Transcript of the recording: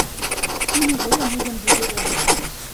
Una jove neda amb ulleres verdes.